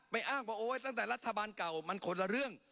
อ้างว่าโอ๊ยตั้งแต่รัฐบาลเก่ามันคนละเรื่อง